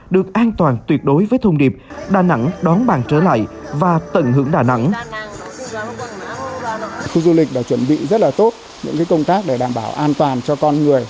được an toàn tuyệt đối với thông điệp đà nẵng đón bàn trở lại và tận hưởng đà nẵng